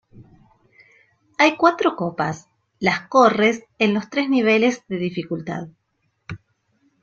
Hay cuatro copas, las corres en los tres niveles de dificultad.